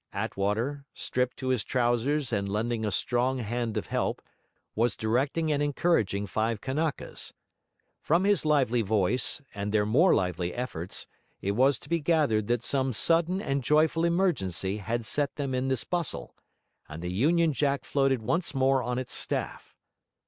Attwater, stripped to his trousers and lending a strong hand of help, was directing and encouraging five Kanakas; from his lively voice, and their more lively efforts, it was to be gathered that some sudden and joyful emergency had set them in this bustle; and the Union Jack floated once more on its staff.